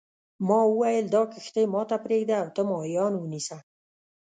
ما وویل دا کښتۍ ما ته پرېږده او ته ماهیان ونیسه.